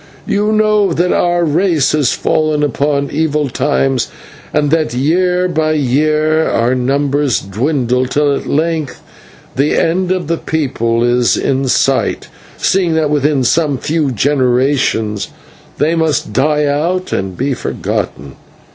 You know that our race has fallen upon evil times, and that, year by year, our numbers dwindle, till at length the end of the people is in sight, seeing that within some few generations they must die out and be forgotten.